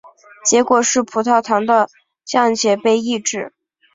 结果是葡萄糖的降解被抑制。